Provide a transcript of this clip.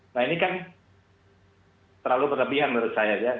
nah ini kan terlalu berlebihan menurut saya ya